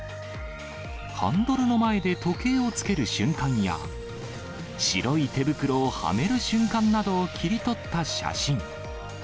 ハンドルの前で時計をつける瞬間や、白い手袋をはめる瞬間などを切り取った写真。